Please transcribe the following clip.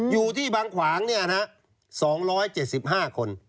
อยู่ที่บางขวางเนี่ยนะ๒๗๕คน